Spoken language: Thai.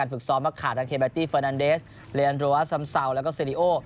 ฝึกซ้อมมากขาดทั้งเคเบตตี้เฟอร์นันเดสเลอันโดราซัมซาวแล้วก็ซีรีโอ